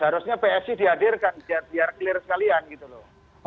harusnya psi dihadirkan biar clear sekalian gitu loh